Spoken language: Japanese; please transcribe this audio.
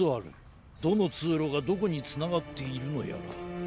どのつうろがどこにつながっているのやら。